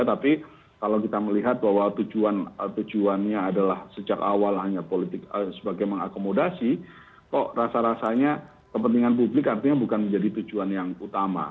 tapi kalau kita melihat bahwa tujuannya adalah sejak awal hanya politik sebagai mengakomodasi kok rasa rasanya kepentingan publik artinya bukan menjadi tujuan yang utama